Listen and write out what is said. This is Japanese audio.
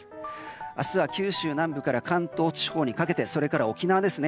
明日は九州南部から関東地方にかけてそれから沖縄ですね。